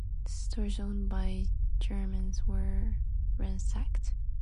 Stores owned by Germans were ransacked.